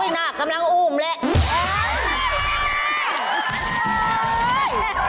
อุ๊ยนะกำลังอู้มละ